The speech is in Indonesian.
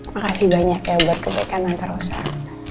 makasih banyak ya buat kebaikan antara usaha